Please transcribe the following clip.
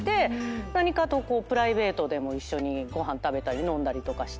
何かとプライベートでも一緒にご飯食べたり飲んだりして。